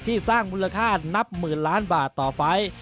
สร้างมูลค่านับหมื่นล้านบาทต่อไป